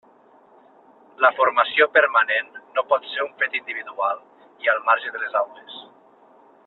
La formació permanent no pot ser un fet individual i al marge de les aules.